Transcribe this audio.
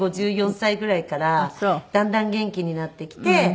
５４歳ぐらいからだんだん元気になってきて。